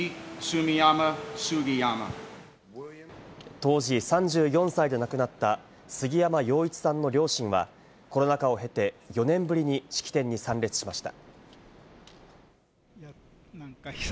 当時３４歳で亡くなった杉山陽一さんの両親は、コロナ禍を経て４年ぶりに式典に参列しました。